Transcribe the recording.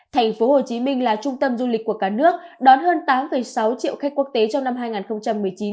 thành phố hồ chí minh là trung tâm du lịch của cả nước đón hơn tám sáu triệu khách quốc tế trong năm hai nghìn một mươi chín